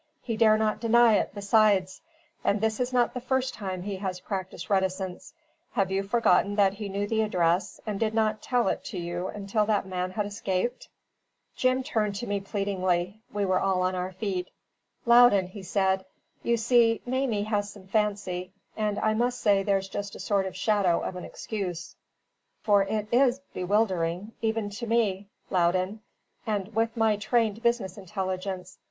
"He dare not deny it, besides. And this is not the first time he has practised reticence. Have you forgotten that he knew the address, and did not tell it you until that man had escaped?" Jim turned to me pleadingly we were all on our feet. "Loudon," he said, "you see Mamie has some fancy; and I must say there's just a sort of a shadow of an excuse; for it IS bewildering even to me, Loudon, with my trained business intelligence.